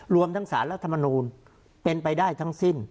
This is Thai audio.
รวมทั้งสารรัฐมนูลเป็นไปได้ทั้งสิ้น